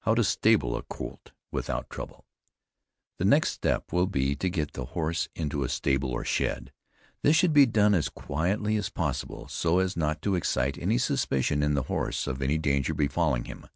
HOW TO STABLE A COLT WITHOUT TROUBLE. The next step will be, to get the horse into a stable or shed. This should be done as quietly as possible, so as not to excite any suspicion in the horse of any danger befalling him.